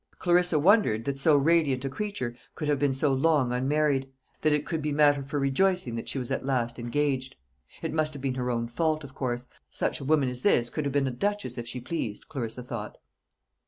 Clarissa wondered that so radiant a creature could have been so long unmarried, that it could be matter for rejoicing that she was at last engaged. It must have been her own fault, of course; such a woman as this could have been a duchess if she pleased, Clarissa thought.